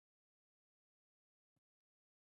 الهي واکمن د اشرافو په مرسته حکومت کاوه.